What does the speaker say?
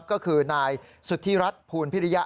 ก็คือนายสุธิรัฐภูลพิริยะ